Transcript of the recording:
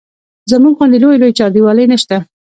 زموږ غوندې لویې لویې چاردیوالۍ نه شته.